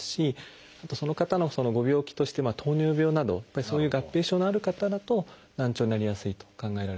あとその方のご病気として糖尿病などそういう合併症のある方だと難聴になりやすいと考えられてます。